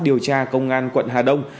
điều tra công an quận hà đông